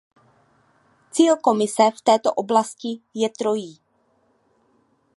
Cíl Komise v této oblasti je trojí.